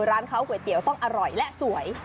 ร้านเขาก๋วยเตี๋ยวต้องอร่อยและสวย